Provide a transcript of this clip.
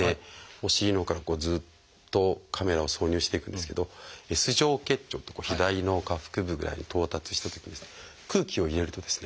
お尻のほうからずっとカメラを挿入していくんですけどＳ状結腸って左の下腹部ぐらいに到達したときに空気を入れるとですね